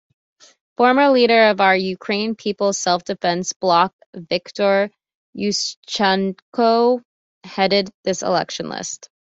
Former leader of Our Ukraine-People's Self-Defense Bloc Viktor Yushchenko headed this election list.